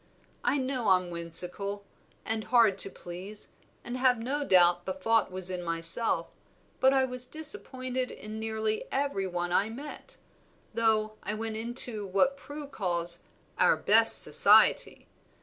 I know I'm whimsical, and hard to please, and have no doubt the fault was in myself, but I was disappointed in nearly every one I met, though I went into what Prue calls 'our best society.'